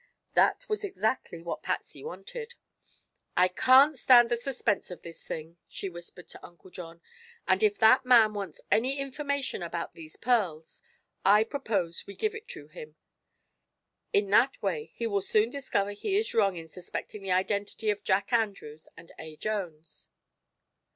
That was exactly what Patsy wanted. "I can't stand the suspense of this thing," she whispered to Uncle John, "and if that man wants any information about these pearls I propose we give it to him. In that way he will soon discover he is wrong in suspecting the identity of Jack Andrews and A. Jones."